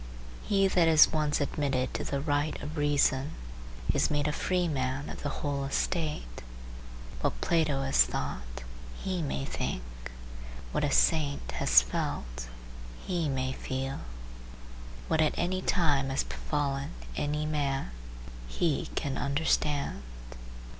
He that is once admitted to the right of reason is made a freeman of the whole estate. What Plato has thought, he may think; what a saint has felt, he may feel; what at any time has befallen any man, he can understand.